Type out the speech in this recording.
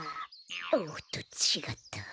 おっとちがった。